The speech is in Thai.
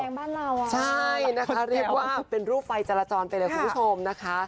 น้ำแดงบ้านเราใช่นะคะรีบว่าเป็นรูปไฟจรจรไปเลยคุณผู้ชมนะคะ